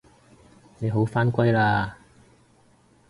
你好返歸喇